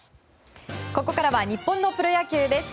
ここからは日本のプロ野球です。